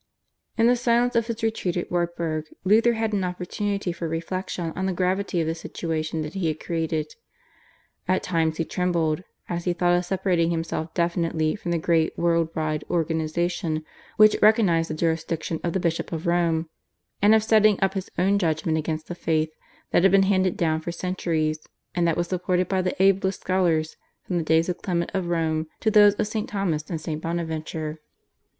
In the silence of his retreat at Wartburg Luther had an opportunity for reflection on the gravity of the situation that he had created. At times he trembled, as he thought of separating himself definitely from the great world wide organisation which recognised the jurisdiction of the Bishop of Rome, and of setting up his own judgment against the faith that had been handed down for centuries, and that was supported by the ablest scholars from the days of Clement of Rome to those of St. Thomas and St. Bonaventure.